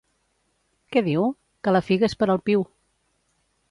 —Què diu? —Que la figa és per al piu!